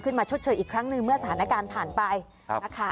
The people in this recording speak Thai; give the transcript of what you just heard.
มาชดเชยอีกครั้งหนึ่งเมื่อสถานการณ์ผ่านไปนะคะ